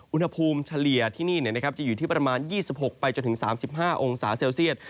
อุณหภูมิเฉลี่ยที่นี่นะครับจะอยู่ที่ประมาณ๒๖ไปจนถึง๓๕องศาเซลเซียต